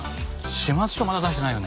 始末書まだ出してないよね？